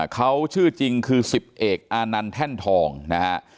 เขาชื่อจริงคือ๑๐เอกอานันต์แท่นทองนะฮะ